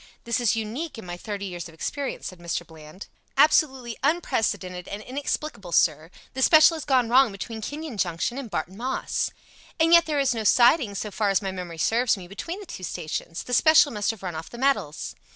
"This is unique in my thirty years of experience," said Mr. Bland. "Absolutely unprecedented and inexplicable, sir. The special has gone wrong between Kenyon Junction and Barton Moss." "And yet there is no siding, so far as my memory serves me, between the two stations. The special must have run off the metals."